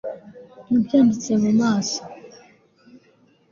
Nabyanditse mu maso